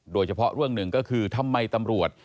โดยเฉพาะเรื่องหนึ่งก็คือทำไมตำรวจ